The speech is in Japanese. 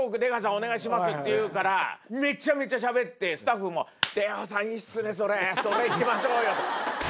お願いします」って言うからめちゃめちゃしゃべってスタッフも「出川さんいいっすねそれ！それ行きましょうよ」。